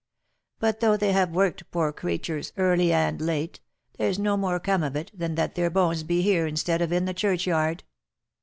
But though they have worked poor creturs, early and late, there's no more come of it, than that their bones be here instead of in the churchyard."